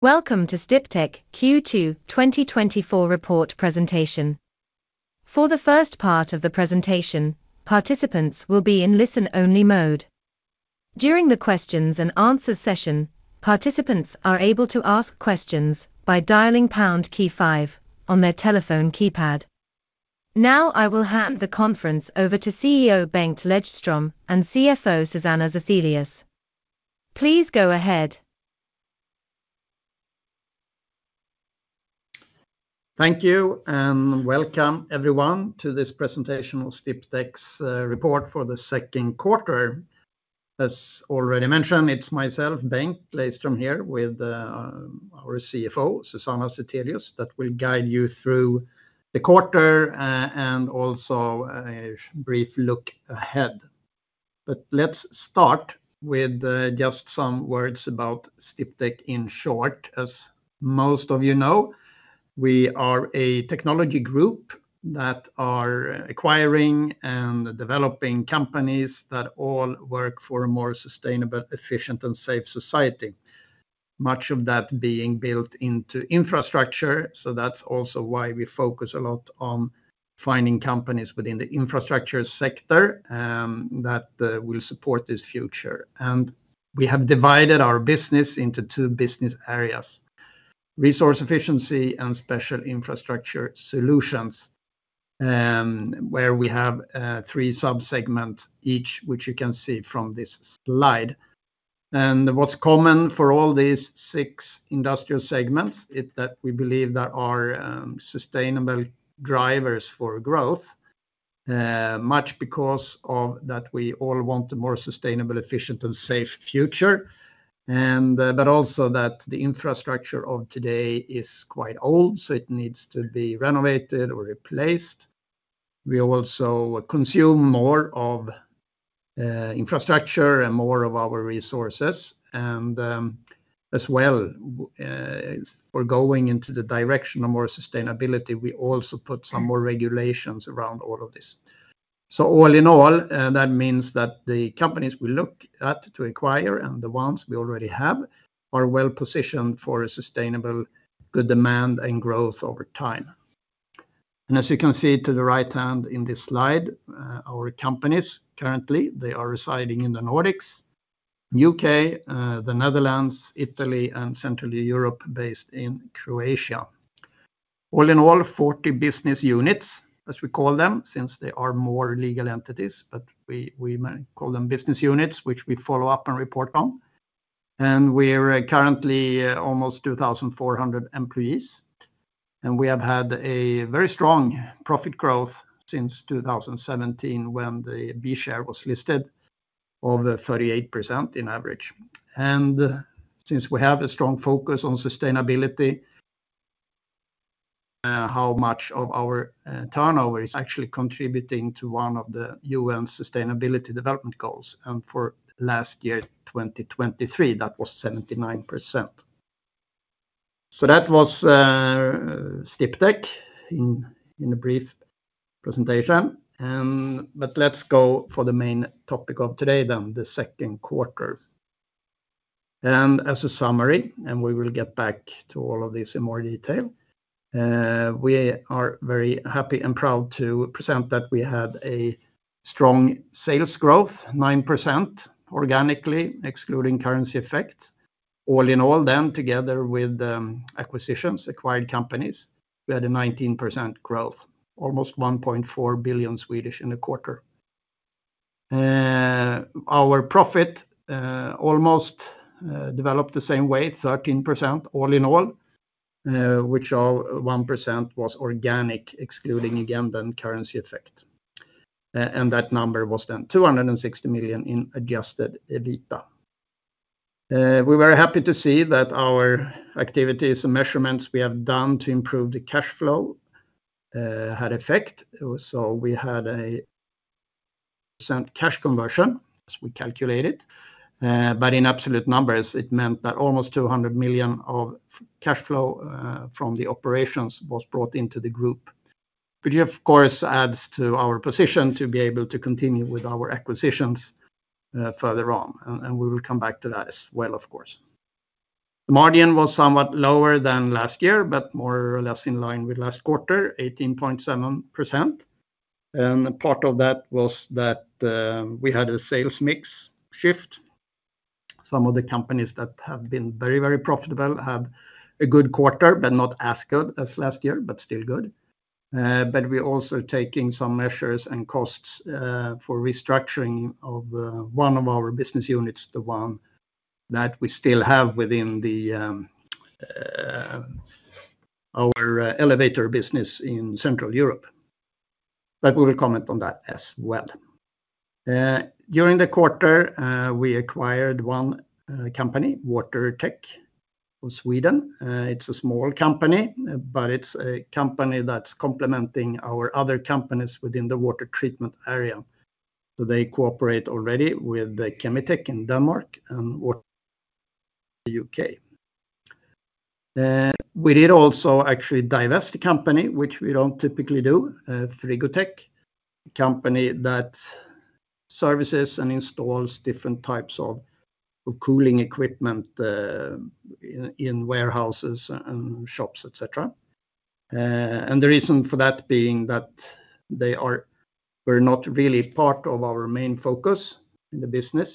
Welcome to Sdiptech Q2 2024 report presentation. For the first part of the presentation, participants will be in listen-only mode. During the questions and answer session, participants are able to ask questions by dialing pound key five on their telephone keypad. Now I will hand the conference over to CEO Bengt Lejdström and CFO Susanna Zethelius. Please go ahead. Thank you, and welcome everyone to this presentation of Sdiptech's report for the second quarter. As already mentioned, it's myself, Bengt Lejdström, here with our CFO, Susanna Zethelius, that will guide you through the quarter, and also a brief look ahead. But let's start with just some words about Sdiptech in short. As most of you know, we are a technology group that are acquiring and developing companies that all work for a more sustainable, efficient, and safe society, much of that being built into infrastructure. So that's also why we focus a lot on finding companies within the infrastructure sector, that will support this future. And we have divided our business into two business areas: Resource Efficiency and Special Infrastructure Solutions, where we have three sub-segments each, which you can see from this slide. What's common for all these six industrial segments is that we believe there are sustainable drivers for growth, much because of that, we all want a more sustainable, efficient, and safe future, and but also that the infrastructure of today is quite old, so it needs to be renovated or replaced. We also consume more of infrastructure and more of our resources, and as well, for going into the direction of more sustainability, we also put some more regulations around all of this. All in all, that means that the companies we look at to acquire and the ones we already have are well-positioned for a sustainable, good demand and growth over time. As you can see to the right-hand in this slide, our companies, currently, they are residing in the Nordics, U.K., the Netherlands, Italy, and Central Europe, based in Croatia. All in all, 40 business units, as we call them, since they are more legal entities, but we call them business units, which we follow up and report on. We're currently almost 2,400 employees, and we have had a very strong profit growth since 2017, when the B share was listed over 38% on average. And since we have a strong focus on sustainability, how much of our turnover is actually contributing to one of the U.N. Sustainable Development Goals? And for last year, 2023, that was 79%. So that was Sdiptech in a brief presentation. But let's go for the main topic of today, then, the second quarter. And as a summary, and we will get back to all of these in more detail, we are very happy and proud to present that we had a strong sales growth, 9%, organically, excluding currency effect. All in all, then, together with acquisitions, acquired companies, we had a 19% growth, almost 1.4 billion in a quarter. Our profit, almost, developed the same way, 13%, all in all, which are 1% was organic, excluding, again, then, currency effect. And that number was then 260 million in adjusted EBITA. We were happy to see that our activities and measurements we have done to improve the cash flow had effect. So we had 100% cash conversion, as we calculate it, but in absolute numbers, it meant that almost 200 million of cash flow from the operations was brought into the group, which, of course, adds to our position to be able to continue with our acquisitions further on, and we will come back to that as well, of course. The margin was somewhat lower than last year, but more or less in line with last quarter, 18.7%. Part of that was that we had a sales mix shift. Some of the companies that have been very, very profitable had a good quarter, but not as good as last year, but still good. But we're also taking some measures and costs for restructuring of one of our business units, the one that we still have within our elevator business in Central Europe. But we will comment on that as well. During the quarter, we acquired one company, WaterTech of Sweden. It's a small company, but it's a company that's complementing our other companies within the water treatment area. So they cooperate already with the Kemi-tech in Denmark and Water in the U.K. We did also actually divest the company, which we don't typically do, Frigotech, a company that services and installs different types of cooling equipment in warehouses and shops, etc. And the reason for that being that they were not really part of our main focus in the business.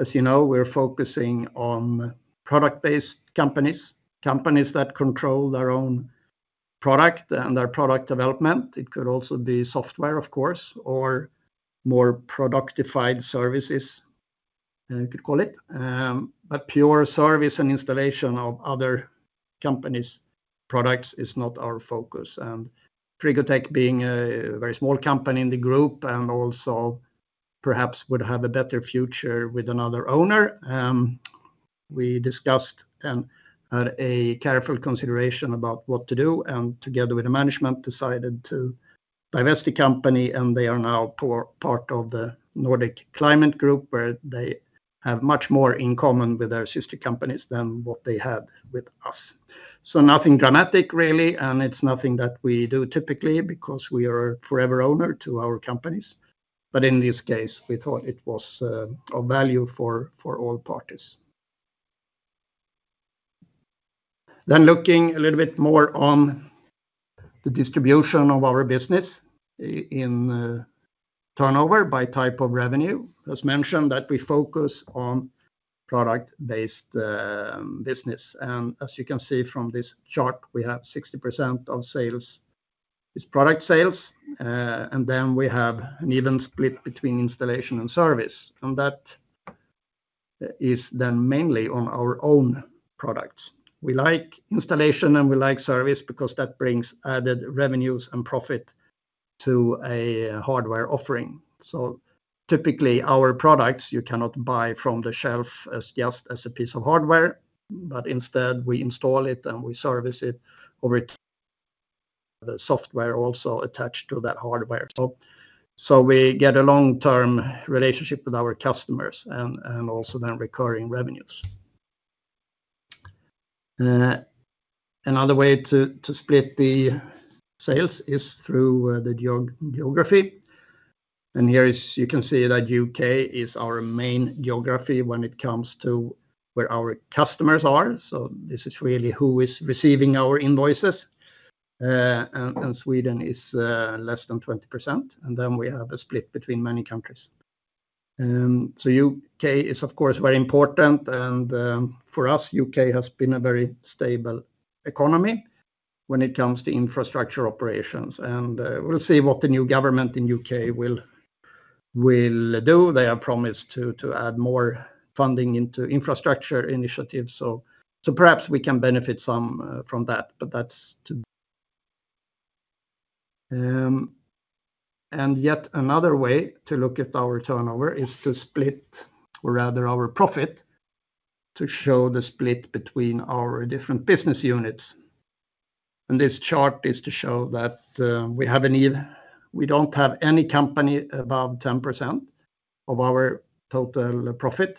As you know, we're focusing on product-based companies, companies that control their own product and their product development. It could also be software, of course, or more productified services, you could call it. But pure service and installation of other companies' products is not our focus. And Frigotech being a very small company in the group, and also perhaps would have a better future with another owner, we discussed and had a careful consideration about what to do, and together with the management, decided to divest the company, and they are now part of the Nordic Climate Group, where they have much more in common with their sister companies than what they had with us. So nothing dramatic, really, and it's nothing that we do typically because we are a forever owner to our companies. But in this case, we thought it was of value for all parties. Then looking a little bit more on the distribution of our business in turnover by type of revenue. As mentioned, that we focus on product-based business. As you can see from this chart, we have 60% of sales is product sales, and then we have an even split between installation and service, and that is then mainly on our own products. We like installation and we like service because that brings added revenues and profit to a hardware offering. So typically, our products, you cannot buy from the shelf as just as a piece of hardware, but instead we install it and we service it over the software also attached to that hardware. So, so we get a long-term relationship with our customers and also then recurring revenues. Another way to split the sales is through the geography. Here, you can see that U.K. is our main geography when it comes to where our customers are. So this is really who is receiving our invoices. And Sweden is less than 20%, and then we have a split between many countries. So U.K. is, of course, very important, and for us, U.K. has been a very stable economy when it comes to infrastructure operations. And we'll see what the new government in U.K. will do. They have promised to add more funding into infrastructure initiatives, so perhaps we can benefit some from that, but that's to... And yet another way to look at our turnover is to split, or rather our profit, to show the split between our different business units. And this chart is to show that we have a need. We don't have any company above 10% of our total profit.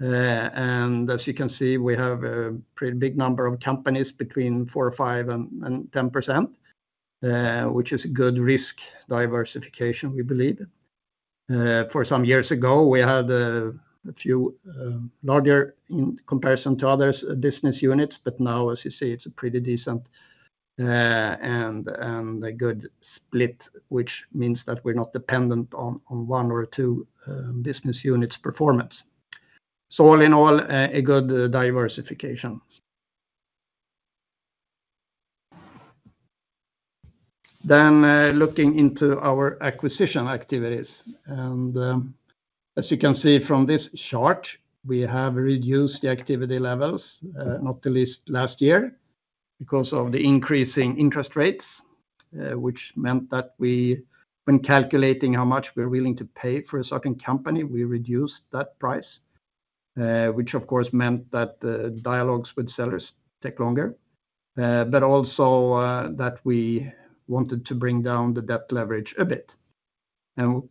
As you can see, we have a pretty big number of companies between four or five and 10%, which is good risk diversification, we believe. For some years ago, we had a few larger in comparison to others business units, but now, as you see, it's a pretty decent and a good split, which means that we're not dependent on one or two business units' performance. All in all, a good diversification. Looking into our acquisition activities. As you can see from this chart, we have reduced the activity levels, not the least last year, because of the increasing interest rates, which meant that we, when calculating how much we're willing to pay for a certain company, we reduced that price, which of course meant that the dialogues with sellers take longer, but also that we wanted to bring down the debt leverage a bit. And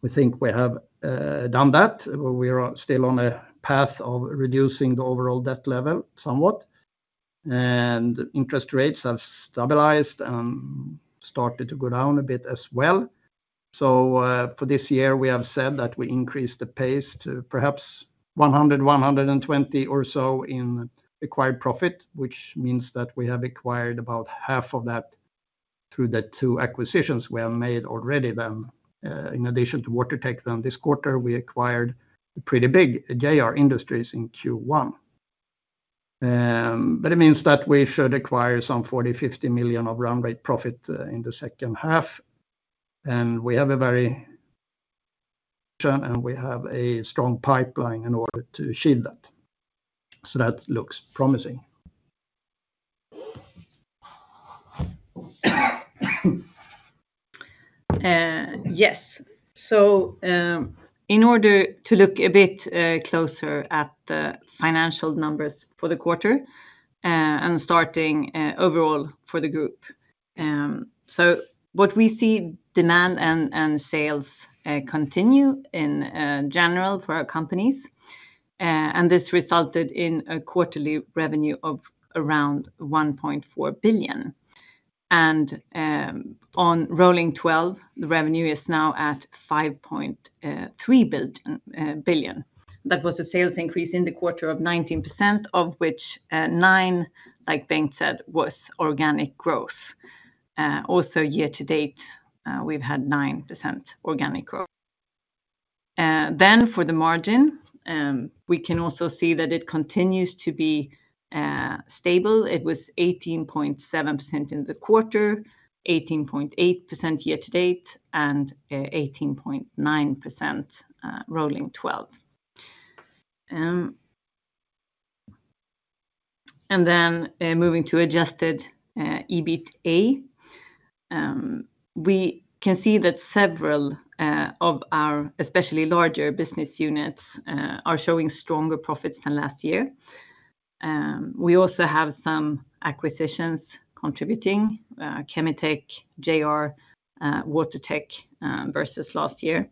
we think we have done that. We are still on a path of reducing the overall debt level somewhat, and interest rates have stabilized and started to go down a bit as well. For this year, we have said that we increased the pace to perhaps 100 million-120 million or so in acquired profit, which means that we have acquired about half of that through the two acquisitions we have made already then. In addition to WaterTech, then this quarter, we acquired a pretty big JR Industries in Q1. But it means that we should acquire some 40 million-50 million of run rate profit, in the second half. And we have a strong pipeline in order to shield that. So that looks promising. Yes. So, in order to look a bit closer at the financial numbers for the quarter, and starting overall for the group. So what we see, demand and sales continue in general for our companies. And this resulted in a quarterly revenue of around 1.4 billion. And on rolling 12, the revenue is now at 5.3 billion. That was a sales increase in the quarter of 19%, of which nine, like Bengt said, was organic growth. Also year to date, we've had 9% organic growth. Then for the margin, we can also see that it continues to be stable. It was 18.7% in the quarter, 18.8% year to date, and 18.9% rolling 12. And then, moving to Adjusted EBITA, we can see that several of our, especially larger business units, are showing stronger profits than last year. We also have some acquisitions contributing, Kemi-tech, JR, WaterTech, versus last year.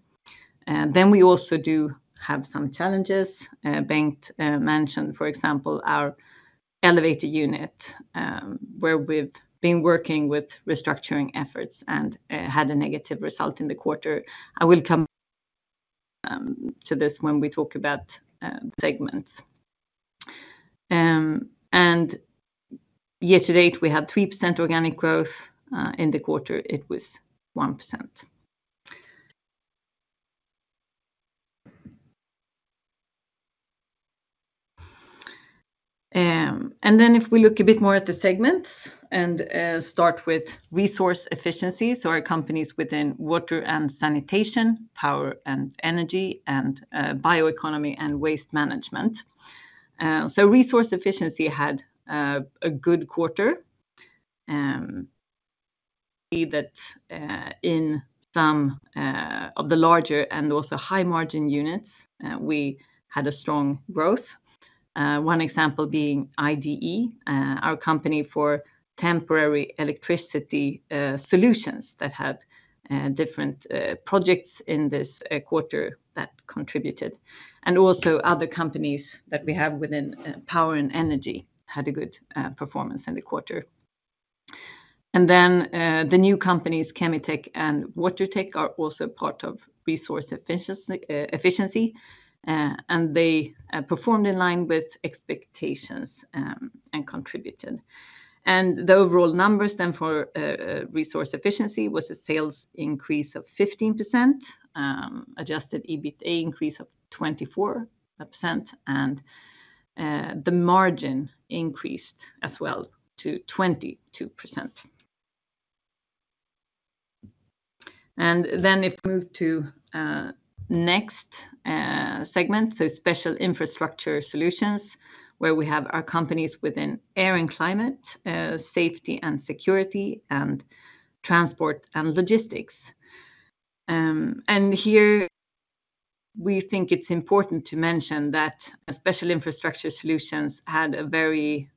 Then we also do have some challenges. Bengt mentioned, for example, our elevator unit, where we've been working with restructuring efforts and had a negative result in the quarter. I will come to this when we talk about segments. And year to date, we had 3% organic growth. In the quarter, it was 1%. And then if we look a bit more at the segments and start with Resource Efficiency, so our companies within water and sanitation, power and energy, and bioeconomy and waste management. So Resource Efficiency had a good quarter. See that in some of the larger and also high-margin units, we had a strong growth. One example being IDE, our company for temporary electricity solutions that had different projects in this quarter that contributed. And also other companies that we have within power and energy had a good performance in the quarter. And then the new companies, Kemi-tech and WaterTech, are also part of Resource Efficiency, and they performed in line with expectations and contributed. And the overall numbers then for Resource Efficiency was a sales increase of 15%, Adjusted EBITA increase of 24%, and the margin increased as well to 22%. If we move to the next segment, so Special Infrastructure Solutions, where we have our companies within air and climate, safety and security, and transport and logistics. And here, we think it's important to mention that Special Infrastructure Solutions had a very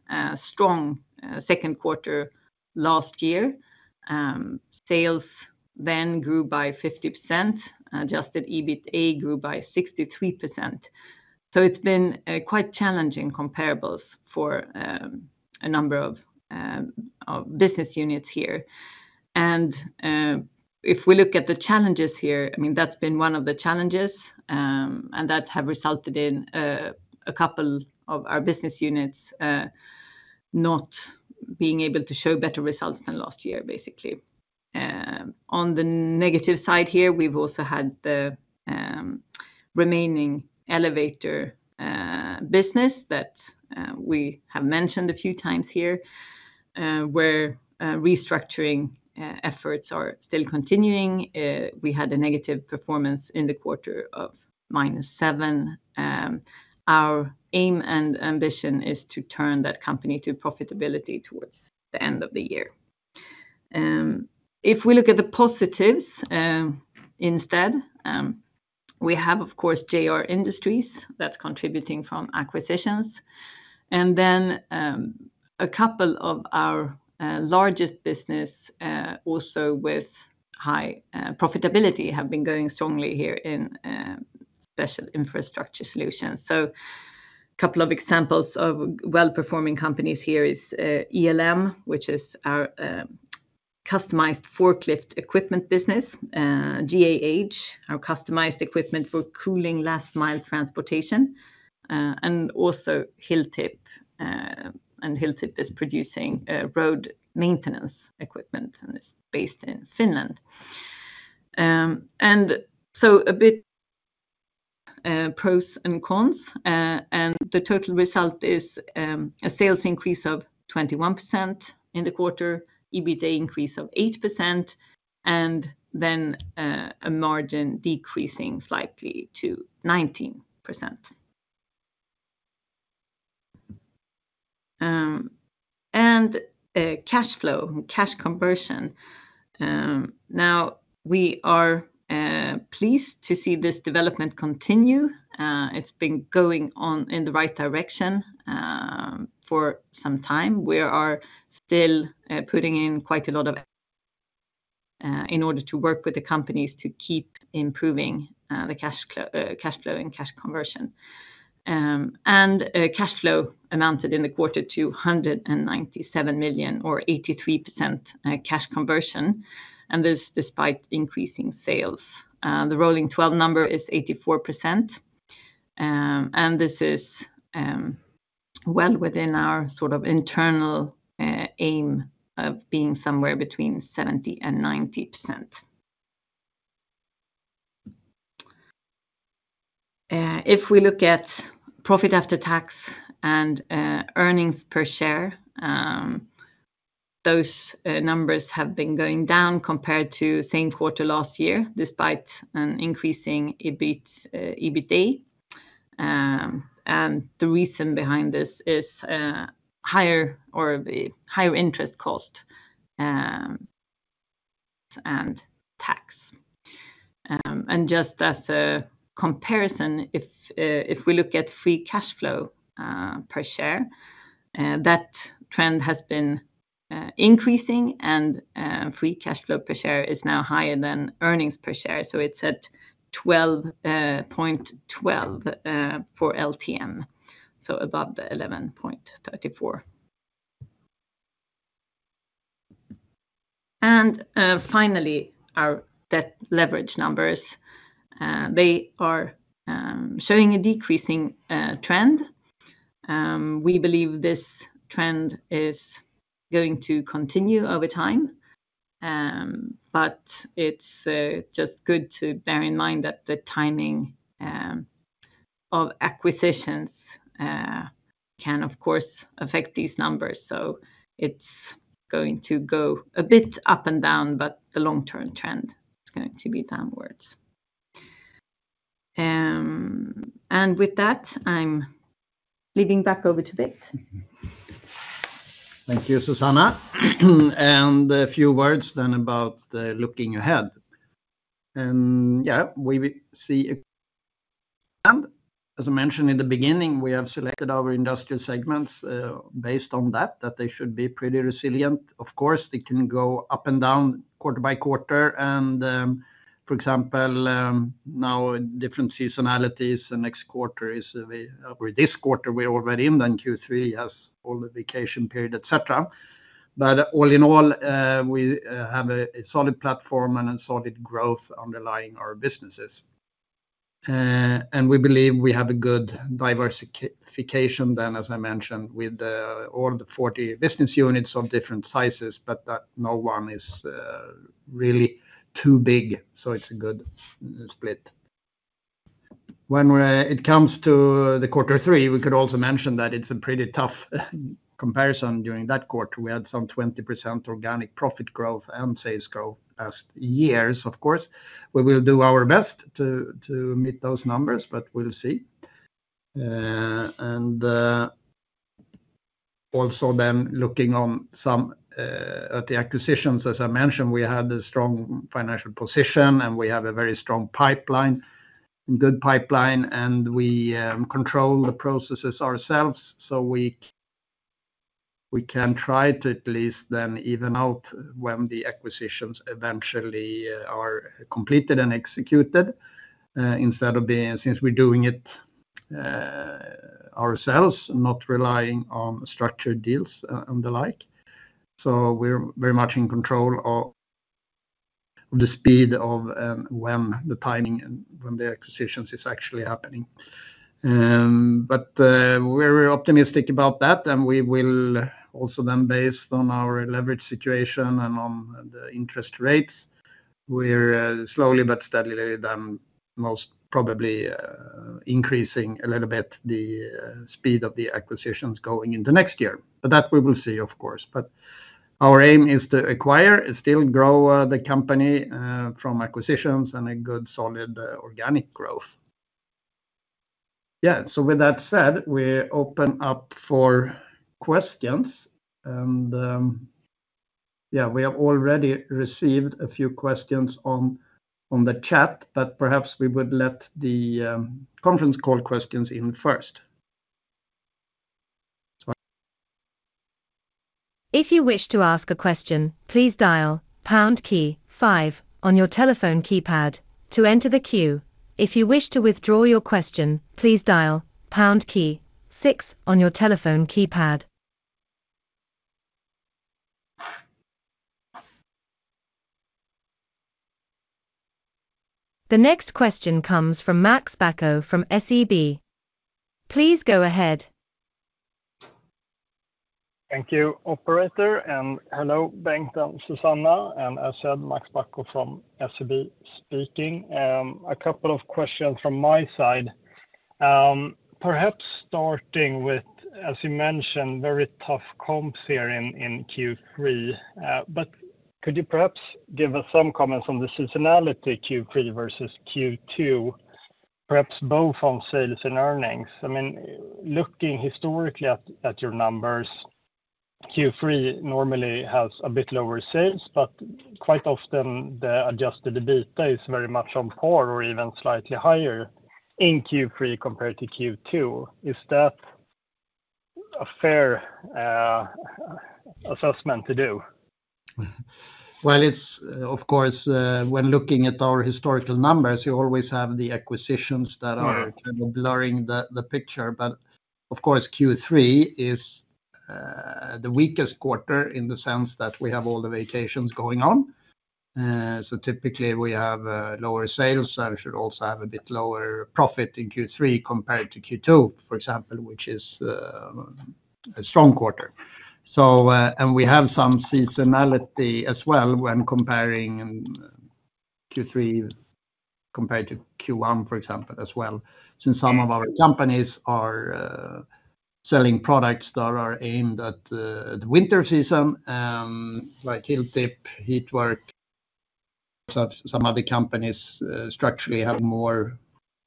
strong second quarter last year. Sales then grew by 50%, adjusted EBITA grew by 63%. So it's been quite challenging comparables for a number of business units here. And if we look at the challenges here, I mean, that's been one of the challenges, and that have resulted in a couple of our business units not being able to show better results than last year, basically. On the negative side here, we've also had the remaining elevator business that we have mentioned a few times here, where restructuring efforts are still continuing. We had a negative performance in the quarter of -7. Our aim and ambition is to turn that company to profitability towards the end of the year. If we look at the positives instead, we have, of course, JR Industries, that's contributing from acquisitions. Then, a couple of our largest business also with high profitability, have been going strongly here in Special Infrastructure Solutions. So a couple of examples of well-performing companies here is ELM, which is our customized forklift equipment business, GAH, our customized equipment for cooling last mile transportation, and also Hilltip. And Hilltip is producing road maintenance equipment, and it's based in Finland. And so a bit pros and cons, and the total result is a sales increase of 21% in the quarter, EBITA increase of 8%, and then a margin decreasing slightly to 19%. And cash flow, cash conversion. Now, we are pleased to see this development continue. It's been going on in the right direction for some time. We are still putting in quite a lot of effort in order to work with the companies to keep improving the cash flow, cash flow and cash conversion. And cash flow amounted in the quarter to 197 million or 83% cash conversion, and this despite increasing sales. The rolling 12 number is 84%, and this is well within our sort of internal aim of being somewhere between 70%-90%. If we look at profit after tax and earnings per share, those numbers have been going down compared to same quarter last year, despite an increasing EBIT, EBITA. And the reason behind this is higher or the higher interest cost, and tax. And just as a comparison, if we look at free cash flow per share, that trend has been increasing and free cash flow per share is now higher than earnings per share, so it's at 12.12 for LTM, so above the 11.34. And finally, our debt leverage numbers. They are showing a decreasing trend. We believe this trend is going to continue over time, but it's just good to bear in mind that the timing of acquisitions can, of course, affect these numbers. So it's going to go a bit up and down, but the long-term trend is going to be downwards. With that, I'm handing back over to Bengt. Thank you, Susanna. A few words then about the looking ahead. Yeah, we will see it. As I mentioned in the beginning, we have selected our industrial segments based on that that they should be pretty resilient. Of course, they can go up and down quarter by quarter, and for example, now different seasonalities, the next quarter is or this quarter, we're already in, then Q3 has all the vacation period, et cetera. But all in all, we have a solid platform and a solid growth underlying our businesses. And we believe we have a good diversification than, as I mentioned, with all the 40 business units of different sizes, but that no one is really too big, so it's a good split. When it comes to quarter three, we could also mention that it's a pretty tough comparison during that quarter. We had some 20% organic profit growth and sales growth last year. Of course, we will do our best to meet those numbers, but we'll see. Also then looking at the acquisitions, as I mentioned, we had a strong financial position, and we have a very strong pipeline, good pipeline, and we control the processes ourselves. So we can try to at least then even out when the acquisitions eventually are completed and executed, instead of being, since we're doing it ourselves, not relying on structured deals and the like. So we're very much in control of the speed of when the timing and when the acquisitions is actually happening. But we're optimistic about that, and we will also then, based on our leverage situation and on the interest rates, we're slowly but steadily than most probably increasing a little bit the speed of the acquisitions going into next year. But that we will see, of course. But our aim is to acquire and still grow the company from acquisitions and a good, solid organic growth. Yeah, so with that said, we open up for questions. And yeah, we have already received a few questions on the chat, but perhaps we would let the conference call questions in first. If you wish to ask a question, please dial pound key five on your telephone keypad to enter the queue. If you wish to withdraw your question, please dial pound key six on your telephone keypad. The next question comes from Max Bacco from SEB. Please go ahead. Thank you, operator, and hello, Bengt and Susanna, and as said, Max Bacco from SEB speaking. A couple of questions from my side. Perhaps starting with, as you mentioned, very tough comps here in Q3, but could you perhaps give us some comments on the seasonality Q3 versus Q2, perhaps both on sales and earnings? I mean, looking historically at your numbers, Q3 normally has a bit lower sales, but quite often the adjusted EBITDA is very much on par or even slightly higher in Q3 compared to Q2. Is that a fair assessment to do? Well, it's, of course, when looking at our historical numbers, you always have the acquisitions that are- Yeah kind of blurring the picture. But of course, Q3 is the weakest quarter in the sense that we have all the vacations going on. So typically we have lower sales, so we should also have a bit lower profit in Q3 compared to Q2, for example, which is a strong quarter. So and we have some seasonality as well when comparing Q3 compared to Q1, for example, as well, since some of our companies are selling products that are aimed at the winter season, like Hilltip, HeatWork. So some other companies structurally have more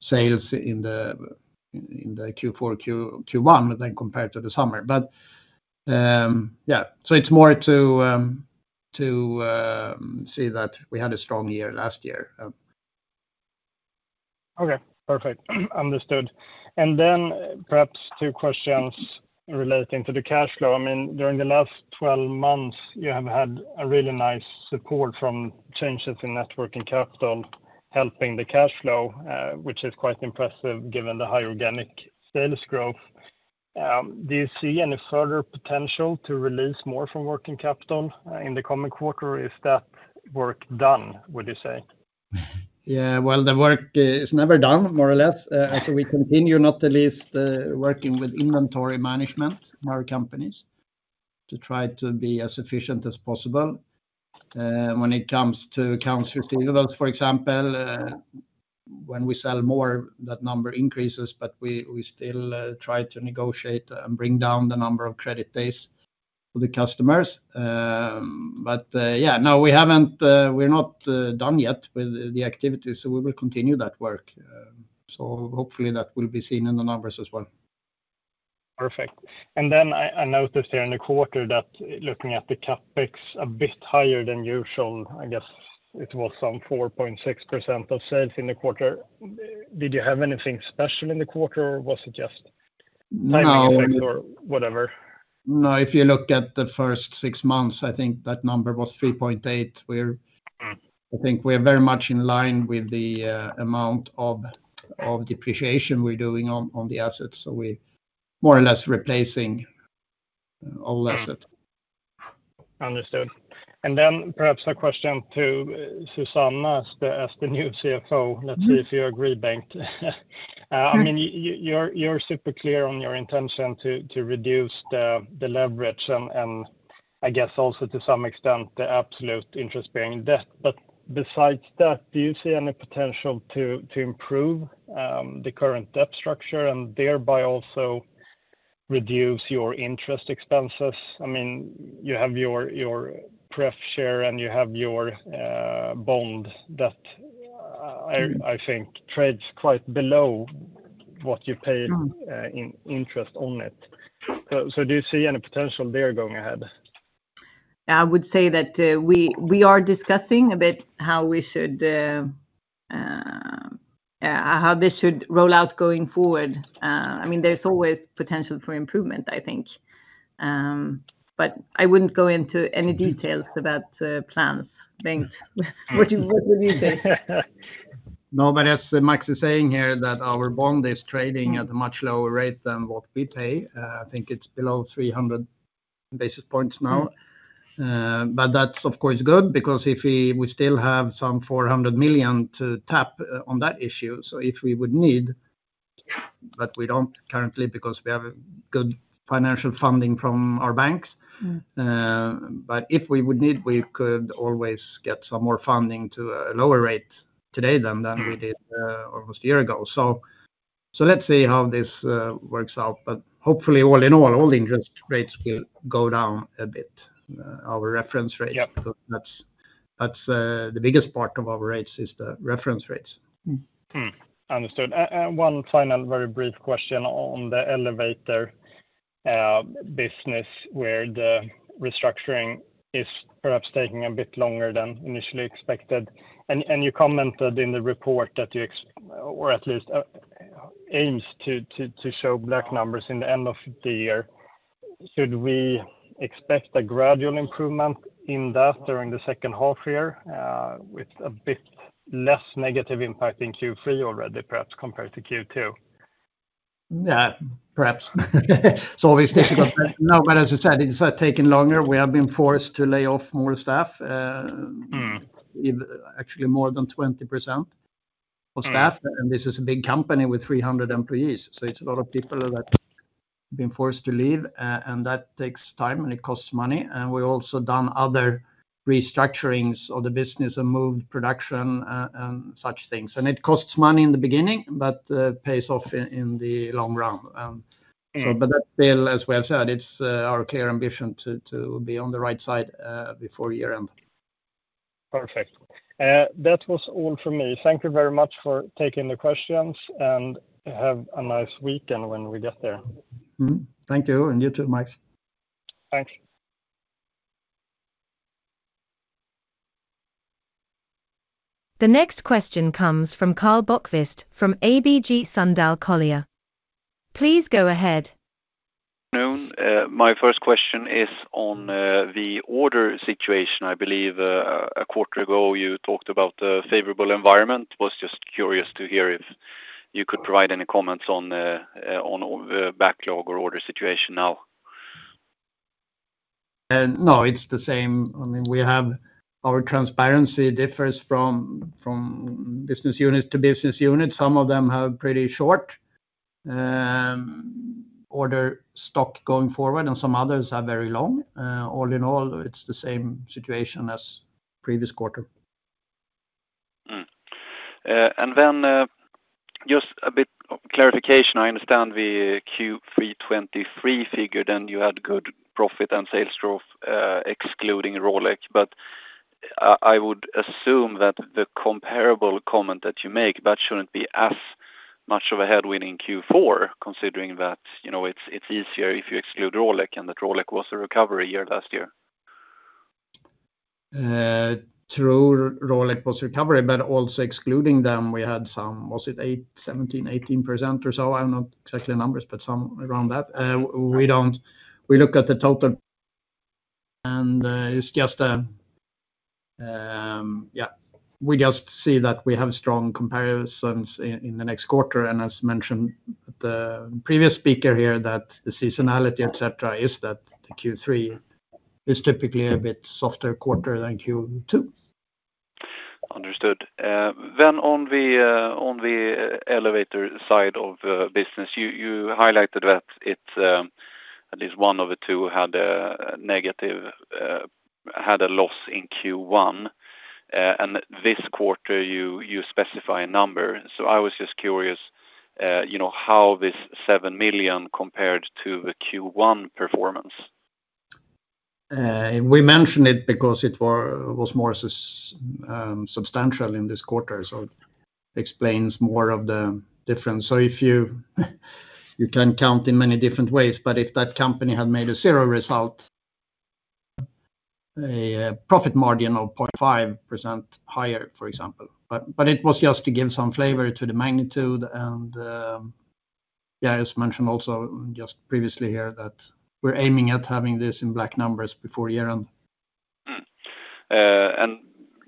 sales in the Q4, Q1 than compared to the summer. But yeah, so it's more to see that we had a strong year last year. Okay, perfect. Understood. And then perhaps two questions relating to the cash flow. I mean, during the last 12 months, you have had a really nice support from changes in net working capital, helping the cash flow, which is quite impressive given the high organic sales growth. Do you see any further potential to release more from working capital, in the coming quarter, or is that work done, would you say? Yeah, well, the work is never done, more or less. So we continue, not the least, working with inventory management in our companies, to try to be as efficient as possible. When it comes to accounts receivables, for example, when we sell more, that number increases, but we still try to negotiate and bring down the number of credit days for the customers. But yeah, no, we haven't. We're not done yet with the activity, so we will continue that work. So hopefully that will be seen in the numbers as well. Perfect. Then I noticed here in the quarter that looking at the CapEx a bit higher than usual, I guess it was some 4.6% of sales in the quarter. Did you have anything special in the quarter, or was it just? No - or whatever? No, if you look at the first six months, I think that number was 3.8, where- Mm. I think we're very much in line with the amount of depreciation we're doing on the assets, so we more or less replacing old asset. Mm. Understood. And then perhaps a question to Susanna as the, as the new CFO. Mm-hmm. Let's see if you agree, Bengt. Mm. I mean, you're super clear on your intention to reduce the leverage, and I guess also to some extent, the absolute interest-bearing debt. But besides that, do you see any potential to improve the current debt structure, and thereby also reduce your interest expenses? I mean, you have your pref share, and you have your bond that Mm... I think trades quite below what you pay- Mm... in interest on it. So, do you see any potential there going ahead? I would say that we are discussing a bit how this should roll out going forward. I mean, there's always potential for improvement, I think. But I wouldn't go into any details about plans, Bengt. What would you say? No, but as Max is saying here, that our bond is trading at a much lower rate than what we pay. I think it's below 300 basis points now. Mm. But that's of course good because if we, we still have some 400 million to tap on that issue. So if we would need, but we don't currently because we have a good financial funding from our banks- Mm... but if we would need, we could always get some more funding to a lower rate today than, than- Mm We did almost a year ago. So let's see how this works out. But hopefully, all in all, all interest rates will go down a bit, our reference rate. Yep. That's, that's, the biggest part of our rates is the reference rates. Understood. One final very brief question on the elevator business, where the restructuring is perhaps taking a bit longer than initially expected. And you commented in the report that you expect or at least aims to show black numbers in the end of the year. Should we expect a gradual improvement in that during the second half year, with a bit less negative impact in Q3 already, perhaps compared to Q2? Yeah, perhaps. It's obviously no, but as you said, it has taken longer. We have been forced to lay off more staff. Mm... actually, more than 20% of staff. Mm. This is a big company with 300 employees, so it's a lot of people that have been forced to leave, and that takes time, and it costs money. We've also done other restructurings of the business and moved production, such things. It costs money in the beginning, but pays off in the long run. Mm. But that still, as we have said, it's our clear ambition to be on the right side before year-end. Perfect. That was all from me. Thank you very much for taking the questions, and have a nice weekend when we get there. Mm-hmm. Thank you, and you too, Max. Thanks. ... The next question comes from Karl Bokvist from ABG Sundal Collier. Please go ahead. No, my first question is on the order situation. I believe a quarter ago, you talked about the favorable environment. I was just curious to hear if you could provide any comments on the backlog or order situation now? No, it's the same. I mean, we have our transparency differs from, from business unit to business unit. Some of them have pretty short order stock going forward, and some others are very long. All in all, it's the same situation as previous quarter. And then, just a bit of clarification. I understand the Q3 2023 figure, then you had good profit and sales growth, excluding Rolec, but, I would assume that the comparable comment that you make, that shouldn't be as much of a headwind in Q4, considering that, you know, it's, it's easier if you exclude Rolec, and that Rolec was a recovery year last year. True, Rolec was recovery, but also excluding them, we had some. Was it 8%, 17%, 18% or so? I don't know exactly the numbers, but some around that. We look at the total, and it's just, yeah, we just see that we have strong comparisons in the next quarter. As mentioned, the previous speaker here, that the seasonality, et cetera, is that the Q3 is typically a bit softer quarter than Q2. Understood. Then on the elevator side of the business, you highlighted that it's at least one of the two had a negative had a loss in Q1. And this quarter, you specify a number. So I was just curious, you know, how this 7 million compared to the Q1 performance? We mentioned it because it was more substantial in this quarter, so it explains more of the difference. So if you can count in many different ways, but if that company had made a zero result, a profit margin of 0.5% higher, for example. But it was just to give some flavor to the magnitude and, yeah, as mentioned, also just previously here, that we're aiming at having this in black numbers before year-end.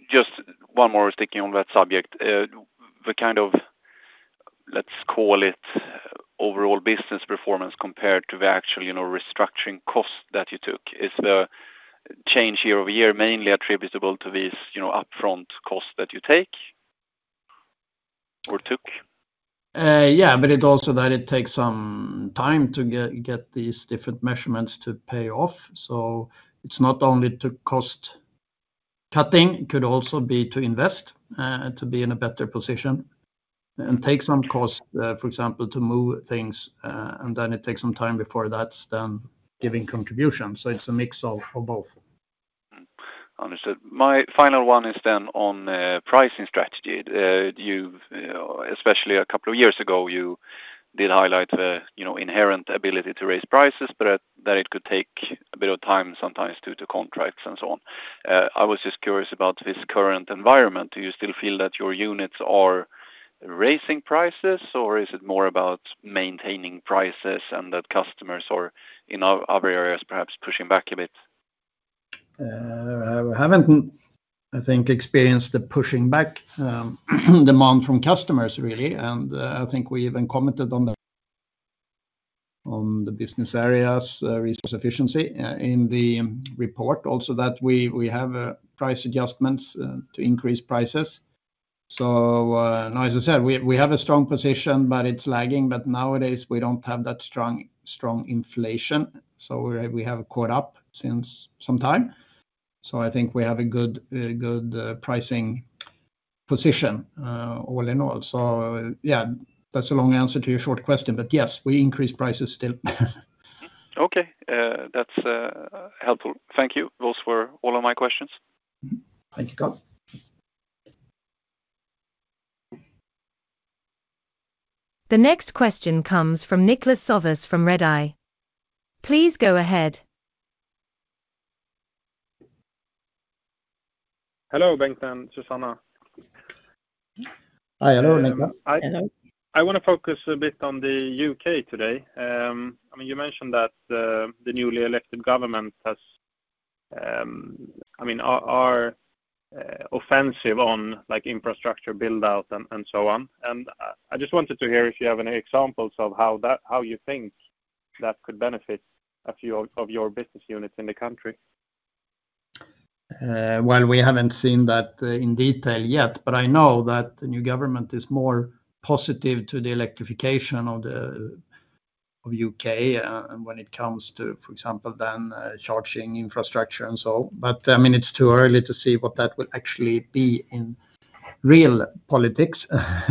Just one more sticking on that subject. The kind of, let's call it, overall business performance compared to the actual, you know, restructuring cost that you took. Is the change year-over-year, mainly attributable to this, you know, upfront cost that you take or took? Yeah, but it also that it takes some time to get these different measurements to pay off. So it's not only to cost cutting, it could also be to invest to be in a better position and take some cost, for example, to move things, and then it takes some time before that's done giving contribution. So it's a mix of both. Mm. Understood. My final one is then on pricing strategy. You've especially a couple of years ago, you did highlight the, you know, inherent ability to raise prices, but that, that it could take a bit of time, sometimes due to contracts and so on. I was just curious about this current environment. Do you still feel that your units are raising prices, or is it more about maintaining prices and that customers are in other areas, perhaps pushing back a bit? We haven't, I think, experienced the pushing back, demand from customers, really, and, I think we even commented on the, on the business areas, Resource Efficiency, in the report. Also, that we, we have price adjustments to increase prices. So, as I said, we, we have a strong position, but it's lagging. But nowadays, we don't have that strong, strong inflation, so we, we have caught up since some time. So I think we have a good, good pricing position, all in all. So yeah, that's a long answer to your short question, but yes, we increase prices still. Okay, that's helpful. Thank you. Those were all of my questions. Thank you, Carl. The next question comes from Niklas Sävås from Redeye. Please go ahead. Hello, Bengt and Susanna. Hi. Hello, Niklas. I wanna focus a bit on the U.K. today. I mean, you mentioned that the newly elected government has I mean are offensive on, like, infrastructure build-out and so on. And I just wanted to hear if you have any examples of how that—how you think that could benefit a few of your business units in the country. Well, we haven't seen that in detail yet, but I know that the new government is more positive to the electrification of the U.K., and when it comes to, for example, charging infrastructure and so on. But, I mean, it's too early to see what that will actually be in real politics,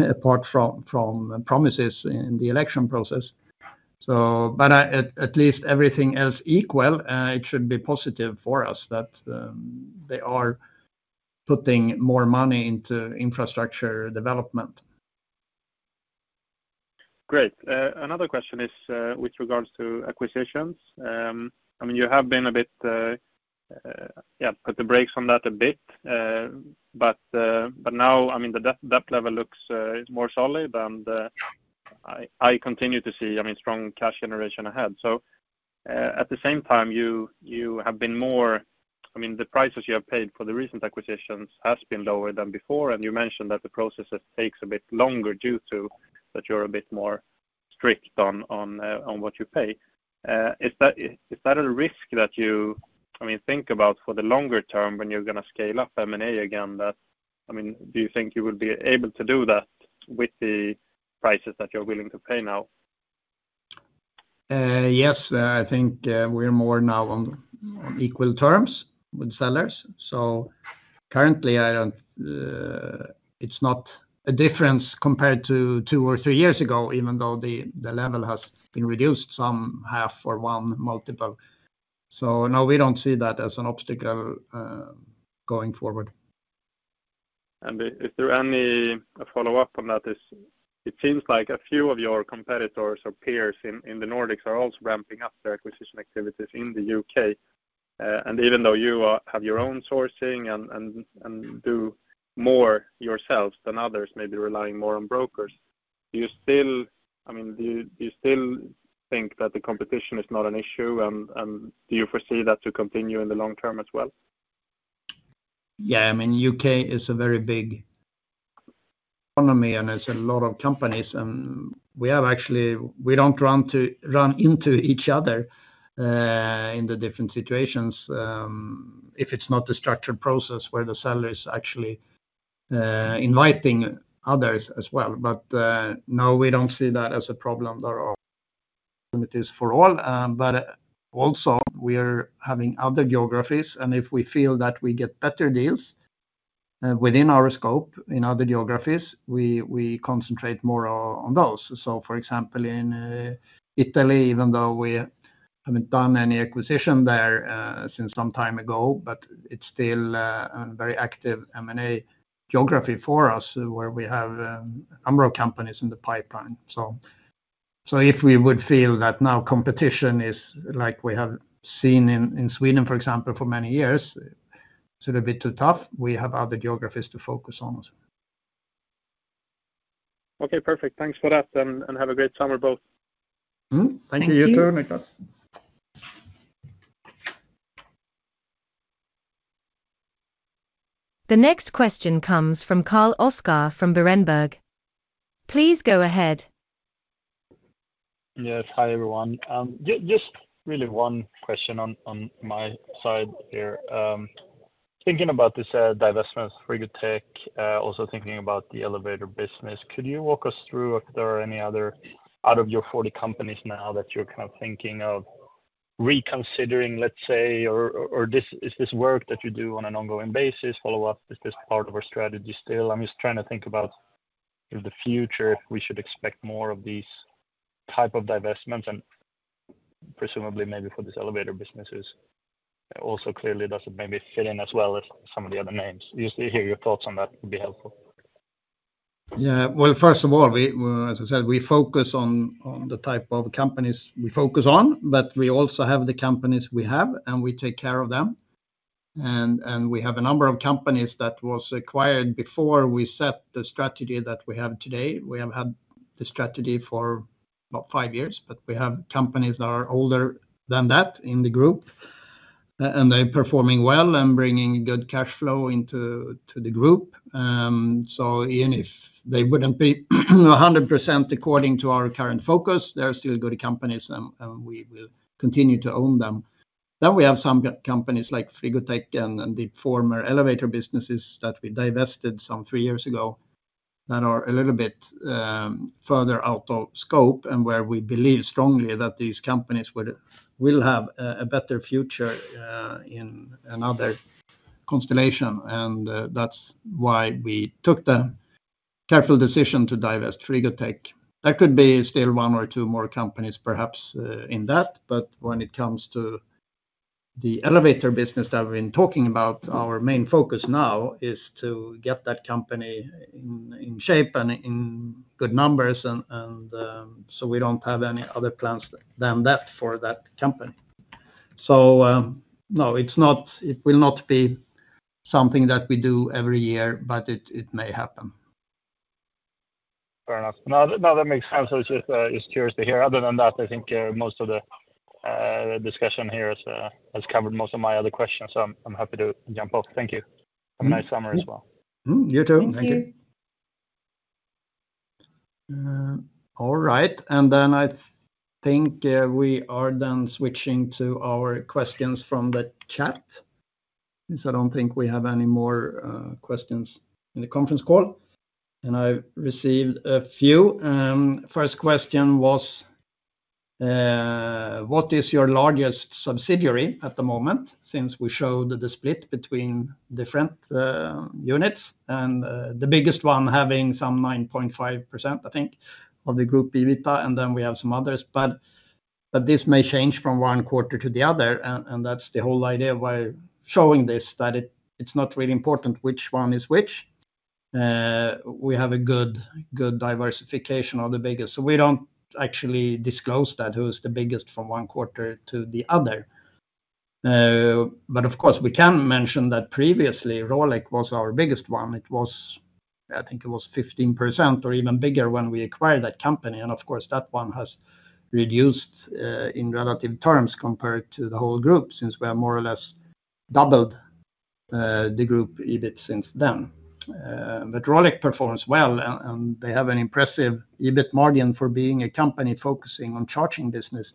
apart from promises in the election process. So but, at least everything else equal, it should be positive for us that they are putting more money into infrastructure development. ... Great. Another question is, with regards to acquisitions. I mean, you have been a bit, yeah, put the brakes on that a bit. But, but now, I mean, the debt, debt level looks more solid than the- I, I continue to see, I mean, strong cash generation ahead. So, at the same time, you, you have been more, I mean, the prices you have paid for the recent acquisitions has been lower than before, and you mentioned that the process takes a bit longer due to that you're a bit more strict on, on, on what you pay. Is that, is that a risk that you, I mean, think about for the longer term when you're gonna scale up M&A again? That, I mean, do you think you will be able to do that with the prices that you're willing to pay now? Yes. I think we're more now on equal terms with sellers. So currently, I don't, it's not a difference compared to two or three years ago, even though the level has been reduced some half or one multiple. So no, we don't see that as an obstacle going forward. If there are any follow-up from that, it seems like a few of your competitors or peers in the Nordics are also ramping up their acquisition activities in the U.K. And even though you have your own sourcing and do more yourselves than others, maybe relying more on brokers, do you still, I mean, do you still think that the competition is not an issue, and do you foresee that to continue in the long term as well? Yeah. I mean, U.K. is a very big economy, and there's a lot of companies, and we have actually. We don't run into each other in the different situations, if it's not a structured process where the seller is actually inviting others as well. But, no, we don't see that as a problem there or opportunities for all. But also we are having other geographies, and if we feel that we get better deals within our scope in other geographies, we concentrate more on those. So for example, in Italy, even though we haven't done any acquisition there since some time ago, but it's still a very active M&A geography for us, where we have a number of companies in the pipeline. So, if we would feel that now competition is like we have seen in Sweden, for example, for many years, it's a little bit too tough. We have other geographies to focus on. Okay, perfect. Thanks for that, and have a great summer both. Mm-hmm. Thank you. You too. Thank you, Nicholas. The next question comes from Carl Oscar from Berenberg. Please go ahead. Yes. Hi, everyone. Just really one question on my side here. Thinking about this divestment Frigotech, also thinking about the elevator business, could you walk us through if there are any other out of your 40 companies now that you're kind of thinking of reconsidering, let's say, or is this work that you do on an ongoing basis, follow up? Is this part of our strategy still? I'm just trying to think about in the future, we should expect more of these type of divestments and presumably maybe for this elevator business also clearly doesn't maybe fit in as well as some of the other names. Usually hear your thoughts on that would be helpful. Yeah. Well, first of all, we, as I said, we focus on, on the type of companies we focus on, but we also have the companies we have, and we take care of them. And, and we have a number of companies that was acquired before we set the strategy that we have today. We have had the strategy for about five years, but we have companies that are older than that in the group, and they're performing well and bringing good cash flow into, to the group. So even if they wouldn't be 100% according to our current focus, they're still good companies, and, and we will continue to own them. Then we have some companies like Frigotech and the former elevator businesses that we divested some three years ago, that are a little bit further out of scope, and where we believe strongly that these companies will have a better future in another constellation. And that's why we took the careful decision to divest Frigotech. That could be still one or two more companies, perhaps in that, but when it comes to the elevator business that we've been talking about, our main focus now is to get that company in shape and in good numbers. And so we don't have any other plans than that for that company. So, no, it's not. It will not be something that we do every year, but it may happen. Fair enough. No, no, that makes sense. So just, just curious to hear. Other than that, I think, most of the, discussion here has, has covered most of my other questions, so I'm, I'm happy to jump off. Thank you. Mm-hmm. Have a nice summer as well. Mm-hmm. You too. Thank you. Thank you. All right, and then I think we are done switching to our questions from the chat, since I don't think we have any more questions in the conference call, and I've received a few. First question was: What is your largest subsidiary at the moment? Since we showed the split between different units, and the biggest one having some 9.5% of the group revenue, I think, and then we have some others. But this may change from one quarter to the other, and that's the whole idea why showing this, that it's not really important which one is which. We have a good diversification of the biggest. So we don't actually disclose that, who's the biggest from one quarter to the other. But of course, we can mention that previously, Rolec was our biggest one. It was, I think it was 15% or even bigger when we acquired that company, and of course, that one has reduced in relative terms compared to the whole group, since we have more or less doubled the group EBIT since then. But Rolec performs well, and they have an impressive EBIT margin for being a company focusing on charging business.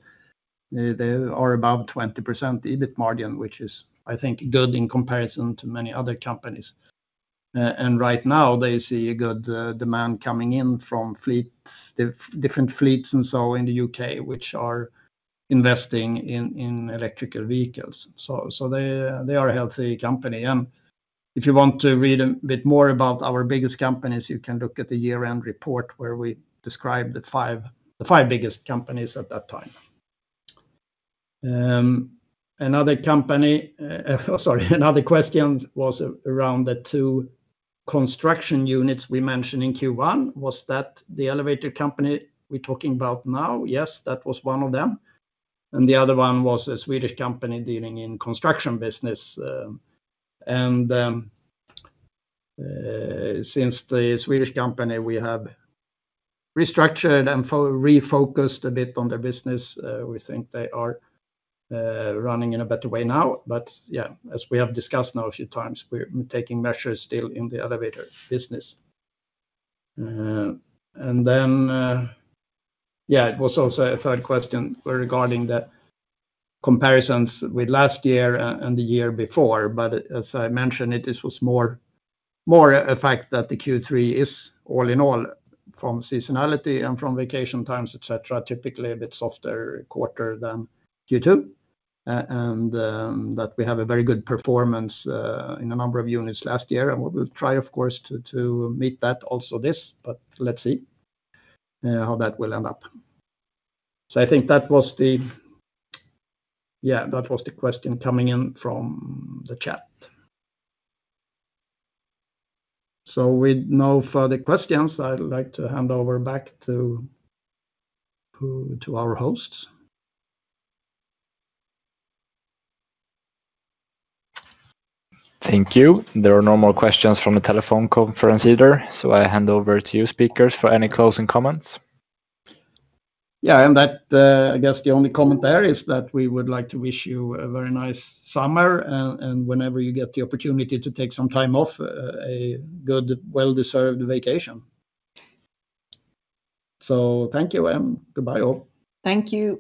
They are above 20% EBIT margin, which is, I think, good in comparison to many other companies. And right now, they see a good demand coming in from fleets, different fleets and so in the U.K., which are investing in electric vehicles. So they are a healthy company. And if you want to read a bit more about our biggest companies, you can look at the year-end report, where we describe the five, the five biggest companies at that time. Sorry, another question was around the two construction units we mentioned in Q1. Was that the elevator company we're talking about now? Yes, that was one of them, and the other one was a Swedish company dealing in construction business. And since the Swedish company, we have restructured and refocused a bit on their business, we think they are running in a better way now. But yeah, as we have discussed now a few times, we're taking measures still in the elevator business. And then, yeah, it was also a third question regarding the comparisons with last year and the year before. But as I mentioned, this was more a fact that the Q3 is, all in all, from seasonality and from vacation times, et cetera, typically a bit softer quarter than Q2. And that we have a very good performance in a number of units last year, and we'll try, of course, to meet that also this, but let's see how that will end up. So I think that was the... Yeah, that was the question coming in from the chat. So with no further questions, I'd like to hand over back to our hosts. Thank you. There are no more questions from the telephone conference either, so I hand over to you speakers for any closing comments. Yeah, and that, I guess the only comment there is that we would like to wish you a very nice summer, and, and whenever you get the opportunity to take some time off, a good well-deserved vacation. So thank you, and goodbye, all. Thank you.